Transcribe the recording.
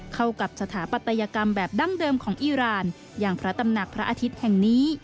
เข้ากับสถาปัตยกรรมแบบดั้งเดิมของอีรานอย่างพระตำหนักพระอาทิตย์แห่งนี้